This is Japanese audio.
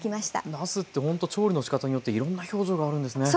なすってほんと調理のしかたによっていろんな表情があるんですね。